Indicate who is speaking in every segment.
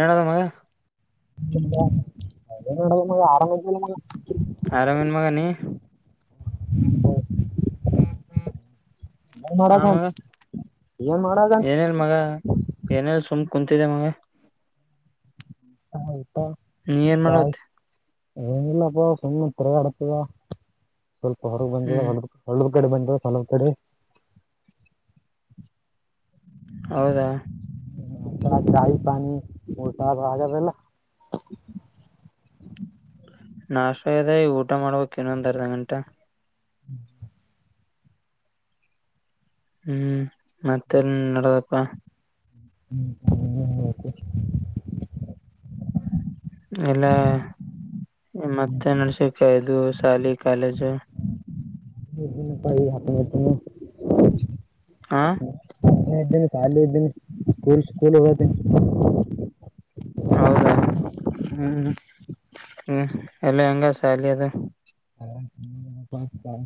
Speaker 1: ಏನಾದ ಮಗ.
Speaker 2: [unintelligible] ಹರಮ್ ಇದಿಲ್ಲ ಮಗ.
Speaker 1: ಆರಾಮೇನಿ ಮಗ ನೀ ಹ್ಮ
Speaker 2: ಏನ್
Speaker 1: ಆ ಮಗ
Speaker 2: ಮಾಡಾಕಂತ ಏನ್ ಮಾಡಾಕಂತ
Speaker 1: ಏನ್. ಮಗ ಏನೇಲ್ಲ ಸುಮ್ ಕುಂತಿದೆ ಮಗ.
Speaker 2: [unintelligible]
Speaker 1: ನೀ ಏನಾ
Speaker 2: ಚಾಯ್
Speaker 1: ಮಾಡತಿ.
Speaker 2: ಏನಿಲ್ಲಪ್ಪ ಸುಮ್ಮ್ ತಿರಗಡ್ತಿದೆ ಸ್ವಲ್ಪ ಹೊರಗ್ ಬಂದಿದೆ.
Speaker 1: ಹ್ಮ್
Speaker 2: ಹೊಲದ ಕಡೆ ಬಂದಿದ್ರಿ ಹೊಲ ಕಡೆ.
Speaker 1: ಹೌದಾ.
Speaker 2: [unintelligible]
Speaker 1: ನಷ್ಟ ಆಗೈತೆ ಊಟ ಮಾಡಬೇಕು ಇನ್ನೊಂದ್ ಅರ್ಧ ಗಂಟೆ.
Speaker 2: [unintelligible]
Speaker 1: ಹ್ಮ್ ಮತ್ತೆನ್ ನೆಡೆದಪ್ಪ
Speaker 2: [inaudible]
Speaker 1: ಎಲ್ಲ ಮತ್ತೆ ನಡ್ಸಿಕ ಇದು ಶಾಲಿ ಕಾಲೇಜು.
Speaker 2: [unintelligible]
Speaker 1: ಹಾ
Speaker 2: ಇದ್ದೇನೆ ಶಾಲಿ ಇದ್ದಿನನೆ ಸ್ಕೂಲ್ ಸ್ಕೂಲ್ ಹೋಗೋತೇನಿ.
Speaker 1: ಹೌದಾ
Speaker 2: ಹ್ಮ್
Speaker 1: ಹ್ಮ್ ಅಲ್ಲಿ ಹೆಂಗ ಸಾಲಿ ಅದ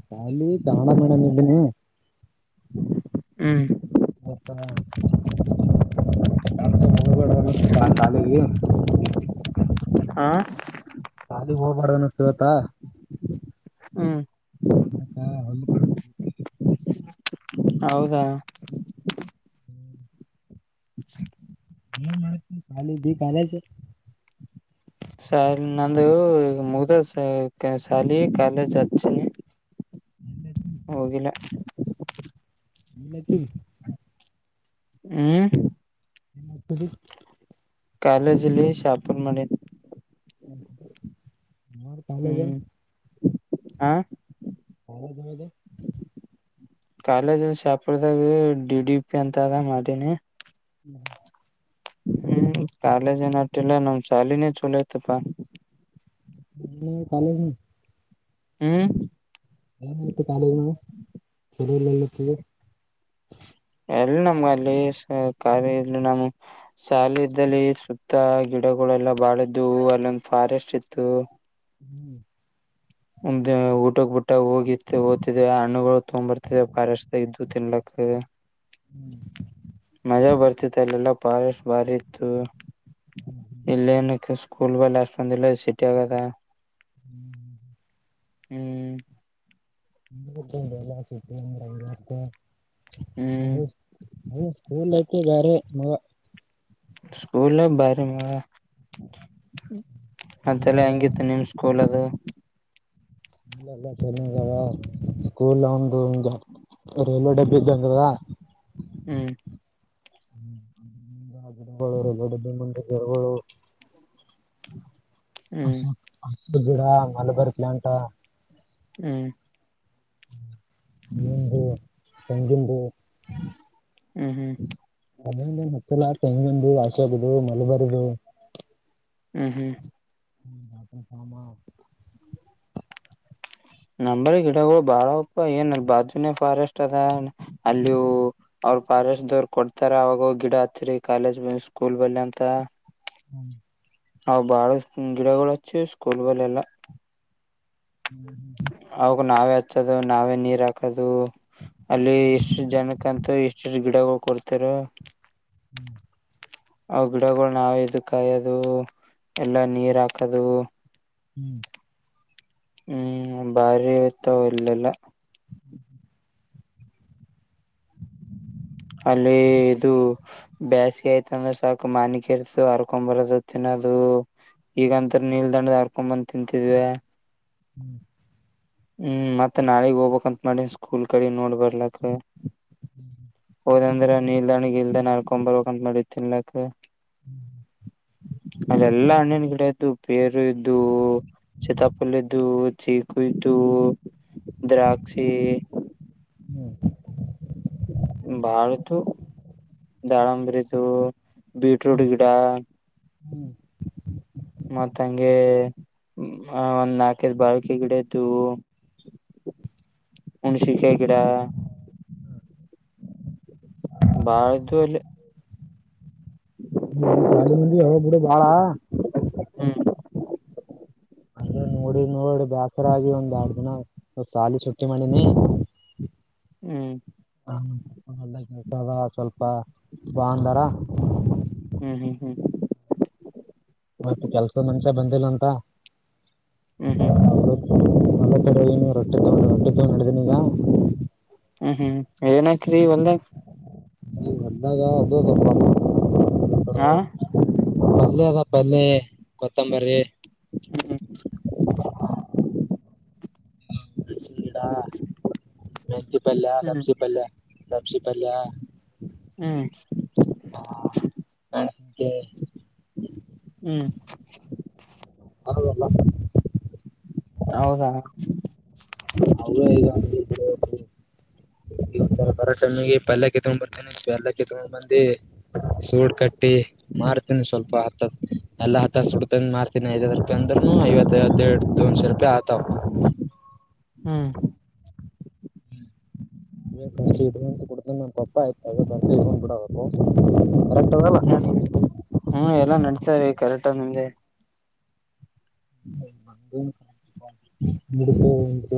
Speaker 2: ಶಾಲಿ ಕನ್ನಡ ಮೇಡಂ ಇದೀನಿ.
Speaker 1: ಹ್ಮ್
Speaker 2: [inaudible] [inaudible]
Speaker 1: ಹಾ
Speaker 2: ಸಾಲಿಗೆಗ್ ಹೋಗಬಾರ್ದ ಅನ್ನಿಸ್ತ ಇವತ್ತು.
Speaker 1: ಹ್ಮ್
Speaker 2: [unintelligible]
Speaker 1: [inaudible] ಹೌದಾ [inaudible]
Speaker 2: ಏನ್ ಮಾಡಾಕತ್ತಿ ಇದ ಕಾಲೇಜ್ ಇದ ಕಾಲೇಜ್
Speaker 1: ಸಾ ನಂದು ಮುಗ್ದ ಶಾಲಿ ಕಾಲೇಜ್ ಹಚ್ಚನಿ ಹೋಗಿಲ್ಲ
Speaker 2: [inaudible] ನಿನ್ ತಿನ್ನ
Speaker 1: ಹ್ಮ್
Speaker 2: [inaudible]
Speaker 1: ಕಾಲೇಜ್ಲ್ಲಿ ಶಾಪಿಂಗ್ ಮಾಡಿನಿ
Speaker 2: ಹ್ಮ
Speaker 1: ಹ್ಮ್ [inaudible] ಹಾ
Speaker 2: ಕಾಲೇಜ್ ಒಳಗ
Speaker 1: ಕಾಲೇಜ ಶಾಪುರದಾಗ ಡಿ ಡಿ ಪಿ ಅಂತ ಅದ ಮಾಡೀನಿ.
Speaker 2: [inaudible]
Speaker 1: ಹ್ಮ್ ಕಾಲೇಜ ಏನಟಿಲ್ಲ ನಮ್ಮ ಶಾಲಿನೇ ಚಲೋ ಇತಪ್ಪಾ
Speaker 2: ಹು ಕಾಲ
Speaker 1: ಹ್ಮ್
Speaker 2: ಮತ್ತ ಕಾಲೇಜ್ [unintelligible]
Speaker 1: ಎಲ್ಲಿ ನಮ್ಗ ಅಲ್ಲಿ ಸ ಕಾಲೇಜ್ ನಮ್ ಸಾಲಿ ಇದ್ದಲ್ಲಿ ಸುತ್ತ ಗಿಡಗಳೆಲ್ಲ ಬಾಳ್ ಇದ್ದವ ಅಲ್ಲೊಂದು ಫಾರೆಸ್ಟ ಇತ್ತು
Speaker 2: ಹ್ಮ್
Speaker 1: ಒಂದು ಊಟಕ್ಕ ಬಿಟ್ಟಗಾ ಹೋಗಿ ಹೋಗಿತ್ತ್ಯಾದವ್ ಹಣ್ಣುಗಳು ತಂಬತ್ತಿದ್ದವ ಪಾರೆಸ್ಟ್ ಇದ್ದು ತಿನ್ಲಕ್
Speaker 2: ಹ್ಮ್ [unintelligible]
Speaker 1: ಮಜಾ ಬರ್ತಿತ್ತು ಅಲ್ಲೆಲ್ಲಾ ಪಾರೆಸ್ಟ್ ಬಾರಿ ಇತ್ತು [inaudible] ಇಲ್ಲೇನ ಸ್ಕೂಲಗಳ ಬಲ್ಲ ಅಷ್ಟೊಂದಿಲ್ಲ ಸಿಟ್ಯಾಗದ
Speaker 2: ಹ್ಮ್
Speaker 1: ಹ್ಮ್
Speaker 2: [unintelligible]
Speaker 1: ಹ್ಮ್
Speaker 2: ನೀ ಸ್ಕೂಲ್ಕ ಬಾರೆ ಏನ್ಇಲ್ಲಾ
Speaker 1: ಸ್ಕೂಲ್ ಬಾರಿ ಮ [inaudible] ಮತ್ತೆಲ್ಲ
Speaker 2: ಇವಾಗ
Speaker 1: ಹಂಗಿತ್ತು ನಿಮ್ ಸೂ ಕೂಲದ
Speaker 2: ಎಲ್ಲ ಚೆನ್ನಾಗದ ಸ್ಕೂಲ್ ಒಂದು ಒಂದ ರೈಲ್ವೆ ಡಬ್ಬಿ ಇದ್ದಗ್ಗ ಯವ್ವಾ
Speaker 1: ಹ್ಮ್
Speaker 2: [unintelligible] ಗಡ್ಡ ಮುಂದೆ ಗಿಡಗಳು
Speaker 1: [inaudible]
Speaker 2: ಹಸ
Speaker 1: ಹ್ಮ್
Speaker 2: ಹಸರ ಗಿಡ ಮಲಬಾರಿ ಪ್ಲಾಂಟ
Speaker 1: ಹ್ಮ್
Speaker 2: [inaudible] ನಿಂದ ತೆಂಗಿದ್ದ
Speaker 1: ಹ್ಮ್
Speaker 2: [unintelligible] ಅಂದೊಂದ್ ಏನ್ ಹತ್ತಿಲ್ಲ ಟೆಂಗಿದ್ದ ಆಶಾರದ ಮಲಬಾರದು
Speaker 1: ಹ್ಮ್ ಹ್ಮ್
Speaker 2: ಹ್ಮ [unintelligible]
Speaker 1: ನಂಬಲ್ಲಿ ಗಿಡಗಳು ಬಾಳಅವಪ ಏನ ಬಾಜುನೇ ಫಾರೆಸ್ಟ್ ಅದನ ಅಲ್ಲಿವ ಅವ್ರ ಫಾರಸ್ಟ ದೋರ್ ಕೊಡ್ತಾರ ಅವಾಗ ಗಿಡ ಹಚ್ಚರಿ ಕಾಲೇಜ್ ಬಲ್ಲಿ ಸ್ಕೂಲ್ ಬಲ್ಲಿ ಅಂತ
Speaker 2: ಹ್ಮ
Speaker 1: ಹಾ ಬಾಳ ಗಿಡಗಳು ಅಚ್ಚ ಸ್ಕೂಲ್ ಬ ಎಲ್ಲಾ
Speaker 2: ಹ್ಮ್ ಹ್ಮ [unintelligible]
Speaker 1: ಅವಗ ನಾವೇ ಹಚ್ಚದು ನಾವೇ ನೀರ್ ಹಾಕೋದು. ಅಲ್ಲಿ ಇಷ್ಟು ಜನಕ್ಕಂತೂ ಇಷ್ಟು ಇಷ್ಟು ಗಿಡಗಳು ಕೊಡ್ತಾರೆ.
Speaker 2: ಹ್ಮ್ [unintelligible]
Speaker 1: ಅ ಗಿಡಗಳು ನಾವ್ ಇದು ಕಾಯೋದು ಎಲ್ಲಾ ನೀರ್ ಹಾಕದು.
Speaker 2: ಹ್ಮ್
Speaker 1: ಹ್ಮ್ ಬಾರಿ ಇತ್ತ ಇಲ್ಲೆಲ್ಲ
Speaker 2: ಹ್ಞೂ ಹ್ಞ [unintelligible]
Speaker 1: ಅಲ್ಲಿ ಇದು ಬ್ಯಾಸಿಗೆ ಆಯ್ತ್ ಅಂದ್ರೆ ಸಾಕು ಮನಿ ಕೆಲಸ ಅರ್ಕೊಂಬರೋದೂ ತಿನ್ನೋದು. ಈಗಂತರ ನೀವ್ ದಂಡದ ಅರ್ಕೊಂಬ್ ತಿಂತಿದ್ವ ಹ್ಮ್ ಮತ್ತ್ ನಾಳಿಗ್ ಹೋಗ್ಕ್ಂತ್ ಮಾಡಿ ಸ್ಕೂಲ್ ಕಡೆ ನೋಡ್ ಬರ್ಲಕ. ಹೋದಂದ್ರೆ ನೀ ನಿಲ್ದಗ್ ಇಲ್ದ ನಾಲ್ಕೊಂಬರ್ಬೇಕ ಅಂತ ಮಾಡಿ ತಿನ್ಲಾಕ.
Speaker 2: ಹ್ಞ
Speaker 1: ಅಲ್ಲಿ ಎಲ್ಲಾ ಹಣ್ಣಿನ ಗಿಡ ಇದ್ದು ಪೇರು ಇದ್ದು. ಸೀತಾಫಲ ಇದು ಚಿಕೂ ಇದು ದ್ರಾಕ್ಷಿ
Speaker 2: ಹ್ಮ್
Speaker 1: ಬಾಳತು ದಾಳಿಂಬ್ರೀ ಇತ್ತು ಬಿಟ್ರೂಟ್ ಗಿಡ ಮತ್ತ್ ಹಂಗೆ ಒಂದ್ ನಾಲ್ಕೈದು ಬಾಳೆಕಾಯಿ ಗಿಡ ಇತ್ತು. ಮೆಣಸಿನಕಾಯಿ ಗಿಡ ಬಾಳ್ ಇದ್ದವೂ ಇಲ್ಲಿ. ಹ
Speaker 2: ನೀ ಶಾಲಿ ಮಂದಿ ಅವ್ ಬುಡು ಬ್ಯಾಡ.
Speaker 1: ಹ್ಮ್
Speaker 2: ಅದೇ ನೋಡಿ ನೋಡಿ ಬ್ಯಾಸರ ಆಗಿ ಒಂದ್ ಎರಡ್ ದಿನೋ ಒ ಸಾಲಿ ಸೊಟ್ಟಿ ಮಾಡಿನಿ
Speaker 1: ಹ್ಮ್
Speaker 2: ಹತದ ಸ್ವಲ್ಪ ಭಾನುವಾರ
Speaker 1: ಹ್ಮ್ ಹ್ಮ್ ಹ್ಮ್
Speaker 2: ಮತ್ತ ಕೆಲ್ಸಾದ್ ಮಂಷ್ಯ ಬಂದಿಲ್ಲ ಅಂತ.
Speaker 1: ಹ್ಮ್ ಹ್ಮ್
Speaker 2: ನ ರೊಟ್ಟಿ ರೊಟ್ಟಿ ಕ ನಡಿದೀನಿ ಈಗ
Speaker 1: ಹ್ಮ್ ಹ್ಮ್ ಏನಾಕರಿ ಒಲ್ದ್
Speaker 2: ನೀ ಹೊಲ್ದಾಗ ಅದು
Speaker 1: ಆ
Speaker 2: ಪಲ್ಯ ಅದ ಪಲ್ಯ ಕೊತ್ತಂಬರಿ.
Speaker 1: ಹ್ಮ್
Speaker 2: ಸೀಡಾ ಮೆಂತಿ ಪಲ್ಯ
Speaker 1: ಹ್ಮ್
Speaker 2: ಸಬ್ಸಿ ಪಲ್ಯ ಸಬ್ಸಿ ಪಲ್ಯ
Speaker 1: ಹ್ಮ್
Speaker 2: ಹಾ ನ
Speaker 1: ಹ್ಮ್
Speaker 2: ಹ
Speaker 1: ಹೌದಾ
Speaker 2: ಹ ಅವ್ರ ಈಗ ಈ ಬರೋ ಟೈಮಿಗೆ ಪಲ್ಯಕ್ಕಿ ತಗೊಂಡ್ ಬರ್ತೇನಿ ಪಲ್ಲಕ್ಕಿ ತಗೊಂಡ್ ಬಂದಿ ಸೂಡ್ ಕಟ್ಟ. ಟ್ಟ ಮಾರ್ತೀನಿ ಸ್ವಲ್ಪ ಹ ಎಲ್ಲ ಹತ್ತ ಸುಡ್ತ ಮಾರ್ತನಿ. ಇ ಐದವತ್ತು ರೂಪಾಯಿ ಅಂದ್ರೂ ಐವತ್ತೈದ ಎರಡು ದೊಂದುನ್ ಸರೂಪಾಯಿ ಆತಾವ.
Speaker 1: ಹ್ಮ್
Speaker 2: ನ್ಡ್ನ್ಸ್ ಕೊಡ್ತೆ ನಮ್ಮ ಪಪ್ಪ ಆಯ್ತು ಇವನ್ ಇಡ್ಕೊಂಡ್ ಬಿಡೋದು ಕರೆಕ್ಟ್ ಅದಲ್ಲ.
Speaker 1: ಹ್ಮ್ ಎಲ್ಲ ನಡ್ತ ರೀ ಕರೆಕ್ಟ ನನ್ನದೇ.
Speaker 2: ಂದ ಕ ಇ ಇ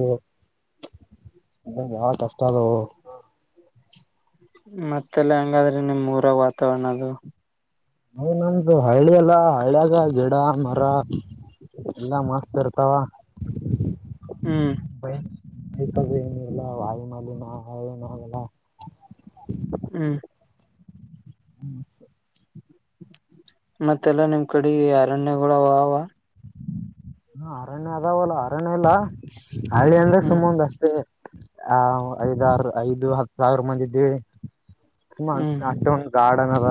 Speaker 2: [inaudible] ಅ ಯಾವ ಕಷ್ಟ ಅದವು.
Speaker 1: ಮತ್ತೆಲ್ಲ ಹೆಂಗಾದ್ರೆ ನಿಮ್ಮ್ ಊರ ವಾತಾವರಣ ಅದು.
Speaker 2: ಹ ನಮ್ದು ಹಳ್ಳಿ ಎಲ್ಲ ಹಳಿಯಾಗ ಗಿಡ ಮರ. ಎಲ್ಲ ಮಸ್ತ್ ಇರ್ತಾವ.
Speaker 1: ಹ್ಮ್.
Speaker 2: ಇ ಏನು ಇಲ್ಲ ವಾಯು ಮಾಲಿನಏನಲ್ಲ.
Speaker 1: ಹ್ಮ್.
Speaker 2: ಹ್ಮ್
Speaker 1: ಮತ್ತೆಲ್ಲ ನಿಮ್ ಕಡೆ ಅರಣ್ಯಗಳ ಅವ ಅವ.
Speaker 2: ಹ ಅರಣ್ಯ ಅದಾವಲ್ಲ ಅರಣ್ಯ ಇಲ್ಲ ಹಳ್ಳಿ ಅಂದ್ರೆ
Speaker 1: ಹ್ಮ್
Speaker 2: ಸುಮ್ಮಂದ ಅಷ್ಟೇ. ಹ ಐದಾರು ಐದು ಹತ್ತು ಸಾವಿರ ಮಂದ ಇದೀ ತುಂಬಾಂ
Speaker 1: ಹ್ಮ್
Speaker 2: ಅಷ್ಟ ಉಂಟ. ಗಾರ್ಡನ್ ಅದ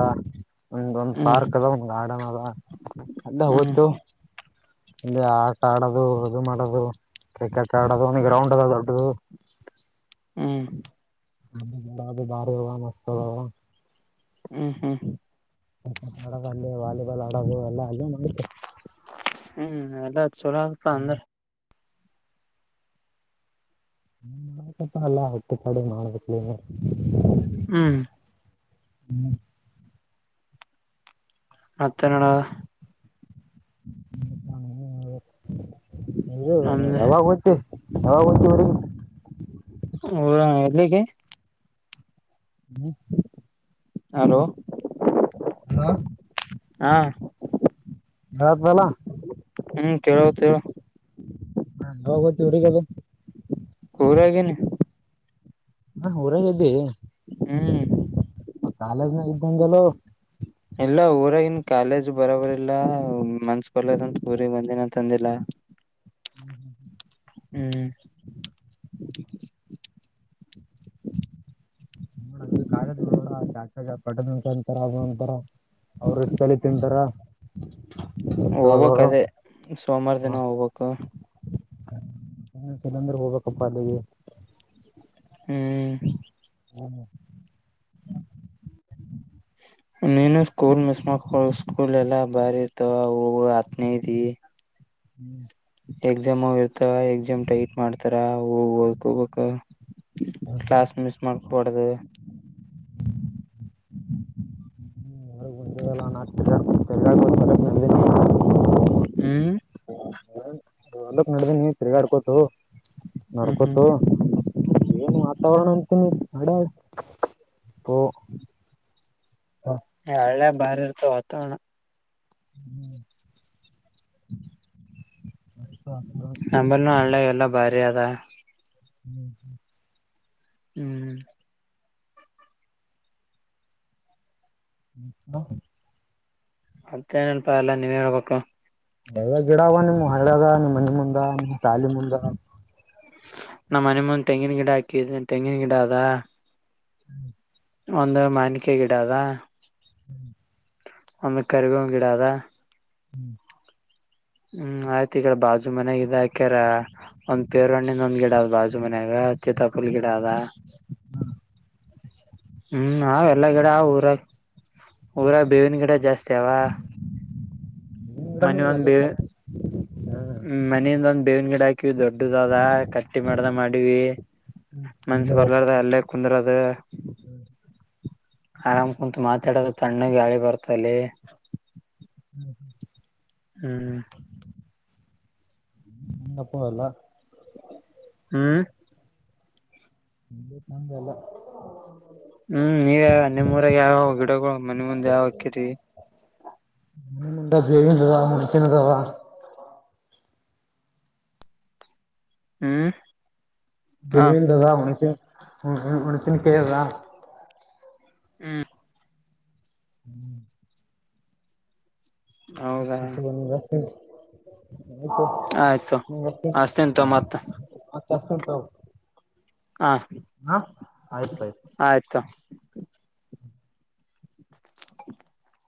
Speaker 2: ಒಂದ ಒಂದ್
Speaker 1: ಹ್ಮ್
Speaker 2: ಪಾರ್ಕ್ ಅದ ಒಂದ್ ಗಾರ್ಡನ್ ಅದ ಅ
Speaker 1: ಹ್ಮ್
Speaker 2: ಹತ್ತು. ಇಲ್ಲಿ ಆಟ ಆಡೋದು ಇದು ಮಾಡೋದು ಕ್ರಿಕೆಟ್ ಆಡೋದು ಗ್ರೌಂಡ್ ಅ ದೊಡ್ಡದು.
Speaker 1: ಹ್ಮ.
Speaker 2: ಅ ಬ ಬಾರಿವುಳ್ಳ ಮಸ್ತ ಅದವಾ.
Speaker 1: ಹ್ಮ್ ಹ್ಮ್
Speaker 2: ಕ್ರಿಕೆಟ್ ಆಡೋ ಅಲ್ಲಿ ವಾಲಿಬಾಲ್ ಆಡೋದು ಎಲ್ಲ ಅಲ್ಲ ನೋತ.
Speaker 1: ಹ್ಮ್ ಎಲ್ಲ ಚಲ ಆಗ್ತ ಅಂದ್ರೆ.
Speaker 2: ಹ ಮಾಡ್ಬೇಕಪ್ಪ ಅಲ್ಲಾ ಒಟ್ಟು ಕಡೆ ಮಾಡ್ಬೇಕಕ್ಲ.
Speaker 1: ಹ್ಮ್. ಮತ್ತೆ ಏನ್ ನಡದ್ದ.
Speaker 2: ಇದು
Speaker 1: ನಮ್ದ
Speaker 2: ಯಾವಾಗ ಹೊಂಟ್ಟಿ. ಯಾವಗ್ ಹೊಂಟ್ಟಿ ಊರಿಗೆ.
Speaker 1: ಹ ಎಲ್ಲಿಗೆ.
Speaker 2: ಹ್ಮ್.
Speaker 1: ಹಲೋ
Speaker 2: ಹಲೋ.....
Speaker 1: ಹಾ
Speaker 2: ಯತ್ ಬಲ.
Speaker 1: ಹ್ಮ್ ಕೇಳೋತ ಹೇಳು.
Speaker 2: ಹಾ ನತವ್ರಗ ಅದು [inaudible]
Speaker 1: ಊರಾಗಿನೆ.
Speaker 2: ಹ ಊರಂಗ್ದಿ.
Speaker 1: ಹ್ಮ್.
Speaker 2: ಕಾಲೇಜ್ನಾಗ ಇದ್ದಂಗೆಲೋ.
Speaker 1: ಇಲ್ಲ ಊರಾಗಿನ್ ಕಾಲೇಜ್ ಬರೋಬರಿಲ್ಲ ಮನ್ಸ ಬರ್ಲದಂತ ಊರಿ ಬಂದಿನ ತಂದಿಲ್ಲ.
Speaker 2: ಹ್ಮ್ ಹ್ಮ್ ಹ್ಮ್ [inaudible]
Speaker 1: ಹ್ಮ್
Speaker 2: ನೋಡಂಗ ಕ ನೋಡ ಶಾ ಪಟ್ಟಂಟಂತಾರ ಅಂತಾರ ಅದ್ನ ಒಂತರಾ. ಅವ್ರ ಎಷ್ಟ ತಲೆ ತಿಂತಾರ.
Speaker 1: ಹೋಗ್ಬಕ್
Speaker 2: ದೊಡ್ಡದವ್ರು
Speaker 1: ಅದೇ ಸೋಮವಾರ ದಿನ ಹೋಗ್ಬೇಕು.
Speaker 2: ಮನ್ಸಿಲಂದ್ರ ಹೋಗ್ಬೇಕಪ್ಪ ಅಲ್ಲಿಗಿ.
Speaker 1: ಹ್ಮ್.
Speaker 2: ಹ್ಮ.
Speaker 1: [inaudible] ನೀನು ಸ್ಕೂಲ್ ಮಿಸ್ ಮಾಡಕ ಸ್ಕೂಲ್ ಎಲ್ಲ ಬಾರಿ ಇರ್ತವ ಹೋಗು ಹತ್ನೇ ಇದಿ.
Speaker 2: ಹ್ಮ್.
Speaker 1: ಎಕ್ಸಾಮ್ ಅವ ಇರ್ತಾವ ಎಕ್ಸಾಮ್ ಟೈಟ್ ಮಾಡ್ತಾರ ಅವು ಓದ್ಕೋ ಬೇಕು. Class miss ಮಾಡ್ಕಬ್ಯಾಡದು.
Speaker 2: [unintelligible] ತಿರ್ಗಾಡ್ಕೊತ
Speaker 1: ಹ್ಮ್.
Speaker 2: ಮೇಲ್ಕ ನಡ್ದನಿ ತಿರ್ಗಾಡ ಆಡ್ಕೊತೊ
Speaker 1: ಹ್ಮ್ ಹ್ಮ್
Speaker 2: ನಡ್ಕೊತೊ. ಏನು ವಾತಾವರಣ ಅಂತಿನಿ. [unintelligible]
Speaker 1: ಹೇ ಹಳ್ಳಾಗ ಬಾರಿ ಇರ್ತವ್ ವಾತಾವರಣ.
Speaker 2: [inaudible]
Speaker 1: ನಂಬಲ್ಲಿನೂ ಹಳ್ಳ್ಯಾಗ ಎಲ್ಲ ಭಾರಿ ಆದ.
Speaker 2: ಹ್ಮ್, ಹ್ಮ
Speaker 1: ಹ್ಮ್.
Speaker 2: [inaudible]
Speaker 1: ಮತ್ತೇ ಏನಪಾ ಎಲ್ಲ ನೀವೇ ಹೇಳ್ಬೇಕು.
Speaker 2: ಎಲ್ಲ ಗಿಡವ ನಿಮ್ ಹಳ್ಯಗ ನಿಮ್ಮ್ ಮನಿ ಮುಂದ ನಿಮ್ಮ್ ಸಾಲಿ ಮುಂದ.
Speaker 1: ನಮ್ಮ ಮನೆ ಮುಂದ ತೆಂಗಿನ ಗಿಡ ಹಾಕಿದ್ನ್ ತೆಂಗಿನ ಗಿಡ ಆದ.
Speaker 2: [inaudible]
Speaker 1: ಒಂದು ಮಾನಿಕಾಯಿ ಗಿಡ ಆದ.
Speaker 2: ಹ್ಮ್.
Speaker 1: ಒಮ್ಮ ಕರಿಬೇವಿನ ಗಿಡ ಆದ.
Speaker 2: ಹ್ಮ್.
Speaker 1: ಹ್ಮ್ ಆಯ್ತು ಈಗ ಬಾಜು ಮನ್ಯಾಗ ಇದ ಹಾಕ್ಯಾರ. ಒಂದ್ ಪೇರು ಹಣ್ಣಿಂದ ಒಂದ್ ಗಿಡ ಆದ ಬಾಜು ಮನೆಯಾಗ ಚೀತಾಪಲ್ ಗಿಡ ಆದ. ಹ್ಮ್ ಆವ್ ಎಲ್ಲ ಗಿಡ ಆವ್ ಊರಗ. ಊರಗ ಬೇವಿನ ಗಿಡ ಜಾಸ್ತಿ ಆವ್.
Speaker 2: ಗಿಡ ನೀ
Speaker 1: ಮನೀ
Speaker 2: ಎಲ್ಲ
Speaker 1: ಒಂದಿ
Speaker 2: ಸರ
Speaker 1: ಹ್ಮ ಮನಿಂದ ಒಂದ್ ಬೇವಿನ್ ಗಿಡ ಹಾಕಿವಿ ದೊಡ್ಡದ ಆದ ಕಟ್ಟಿ ಮಾಡದಗ್ ಮಾಡಿವಿ. ಮನ್ಸ ಬರ್ಲಾರ್ದ ಅಲ್ಲೇ ಕುಂದರದ.
Speaker 2: ಹ್ಮ್.
Speaker 1: ಆರಾಮ್ ಕುಂತು ಮಾತಾಡದು ತಣ್ಣ ಗ ಗಾಳಿ ಬರ್ತಲ್ಲಿ.
Speaker 2: [inaudible]
Speaker 1: ಹ್ಮ್.
Speaker 2: [unintelligible]
Speaker 1: ಹ್ಮ್.
Speaker 2: [inaudible]
Speaker 1: ಹ್ಮ್ ನೀ ನಿಮ್ಮ ಊರಗ ಯಾವ ಗಿಡಗಳು ಮನೀ ಮುಂದ ಯಾವ್ ಹಾಕಿರಿ.
Speaker 2: [unintelligible]
Speaker 1: ಹ್ಮ್. ಹ
Speaker 2: [unintelligible]
Speaker 1: ಹ್ಮ್
Speaker 2: ಹ್ಮಞ [unintelligible]
Speaker 1: ಹೌದಾ
Speaker 2: [unintelligible]
Speaker 1: ಆಯ್ತು
Speaker 2: ಮತ
Speaker 1: ಅಷ್ಟೇಂತ ಮತ್ತ
Speaker 2: ಹಸ್ತನ ತಗೋ
Speaker 1: ಹಾ
Speaker 2: ಹಾ ಆಯ್ತ್ ಆಯ್ತ್.
Speaker 1: ಆಯ್ತು ತೋ [inaudible]